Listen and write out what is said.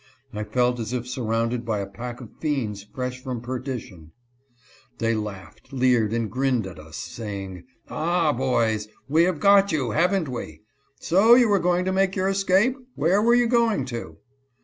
I felt as if surrounded by a pack of fiends fresh from perdition. They laughed, leered, and grinned at us, saying, " Ah, boys, we have got you, haven't we ? So you were going to make your escape ? Where were you going to